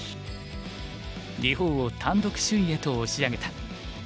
日本を単独首位へと押し上げた。